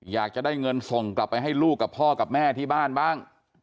อยากจะได้เงินส่งกลับไปให้ลูกกับพ่อกับแม่ที่บ้านบ้าง